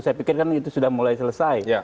saya pikir kan itu sudah mulai selesai